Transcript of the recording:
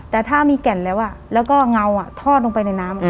แต่ถ้ามีแก่นแล้วแล้วก็เงาทอดลงไปในน้ำ